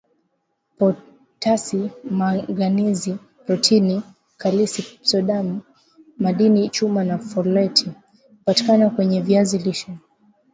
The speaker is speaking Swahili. potasi manganizi protini kalisi sodiamu madini chuma na foleti hupatikana kwenye viazi lishe